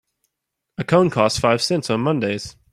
A cone costs five cents on Mondays.